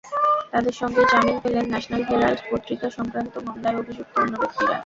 তাঁদের সঙ্গেই জামিন পেলেন ন্যাশনাল হেরাল্ড পত্রিকা-সংক্রান্ত মামলায় অভিযুক্ত অন্য ব্যক্তিরা।